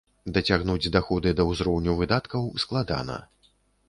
Дацягнуць даходы да узроўню выдаткаў складана.